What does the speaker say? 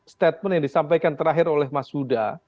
statement yang disampaikan terakhir oleh mas huda